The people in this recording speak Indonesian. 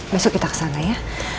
besok kita ke sana ya